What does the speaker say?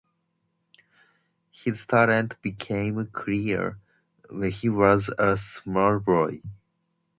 His talent became clear when he was a small boy.